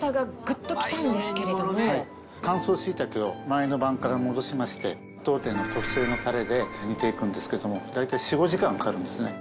乾燥しいたけを前の晩から戻しまして当店の特製のタレで煮ていくんですけれども大体４５時間かかるんですね。